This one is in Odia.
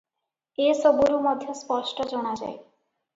ଏ ସବୁରୁ ମଧ୍ୟ ସ୍ପଷ୍ଟ ଜଣାଯାଏ ।